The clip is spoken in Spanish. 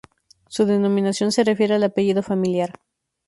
Su denominación se refiere al apellido familiar.